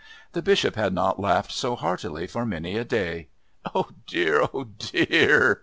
The Bishop had not laughed so heartily for many a day. "Oh, dear! Oh, dear!"